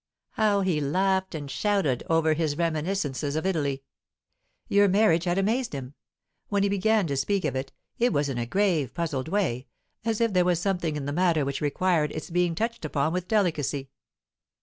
How he laughed and shouted over his reminiscences of Italy! Your marriage had amazed him; when he began to speak of it, it was in a grave, puzzled way, as if there must be something in the matter which required its being touched upon with delicacy.